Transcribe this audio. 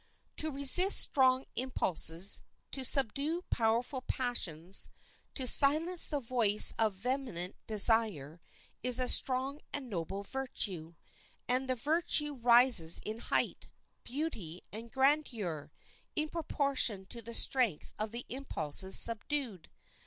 To resist strong impulses, to subdue powerful passions, to silence the voice of vehement desire, is a strong and noble virtue. And the virtue rises in height, beauty, and grandeur in proportion to the strength of the impulses subdued.